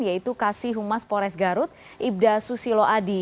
yaitu kasih humas pores garut ibda susilo adi